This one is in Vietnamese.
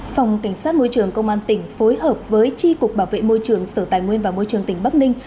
phòng cảnh sát môi trường công an tỉnh phối hợp với tri cục bảo vệ môi trường sở tài nguyên và môi trường tỉnh bắc ninh